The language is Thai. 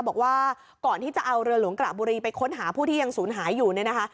บอกว่าก่อนที่จะเอาเรือหลวงกระบุรีไปค้นหาผู้ที่ยังศูนย์หายอยู่เนี่ยนะคะ